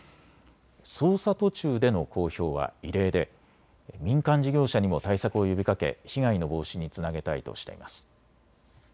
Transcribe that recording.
捜査途中での公表は異例で民間事業者にも対策を呼びかけ被害の防止につなげたいとしています。